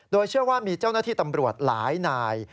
โดยเชื่อว่ามีเจ้าหน้าที่ตำรวจหลายนาย